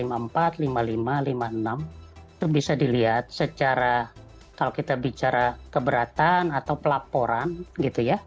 itu bisa dilihat secara kalau kita bicara keberatan atau pelaporan gitu ya